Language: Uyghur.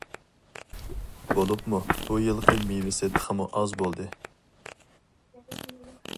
بولۇپمۇ بۇ يىلقى مېۋىسى تېخىمۇ ئاز بولدى.